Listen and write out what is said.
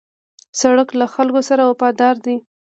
سړک له خلکو سره وفاداره دی.